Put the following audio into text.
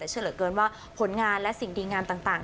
เฉลิดเกินว่าผลงานและสิ่งดีงานต่าง